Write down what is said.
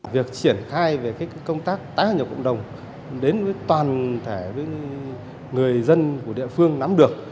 việc triển khai về công tác tái nhập cộng đồng đến với toàn thể với người dân của địa phương nắm được